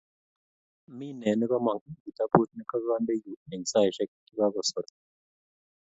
minee nekomong eng kitabut nekakande yuu eng saisiek chekakosorto